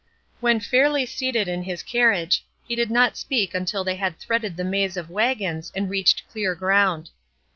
When fairly seated in his carriage he did not speak until they had threaded the maze of wagons and reached clear ground.